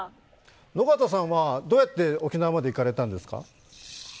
野方さんはどうやって沖縄まで行かれたんですか？